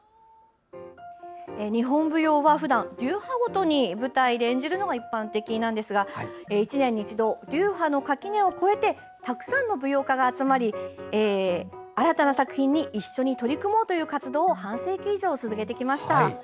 日本舞踊は、ふだん流派ごとに舞台で演じるのが一般的ですが１年に１度、流派の垣根を越えてたくさんの舞踊家が集まり新たな作品に一緒に取り組もうという活動を半世紀以上続けてきました。